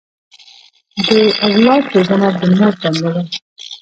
د اولاد روزنه د مور دنده ده.